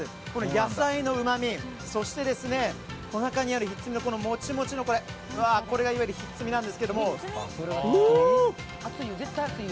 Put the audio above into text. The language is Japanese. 野菜のうまみそして中にあるひっつみのもちもちのこれがいわゆるひっつみなんですが。